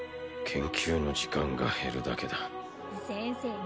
研究の時間が減るだけだ先生